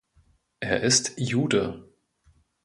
Er ist Jude.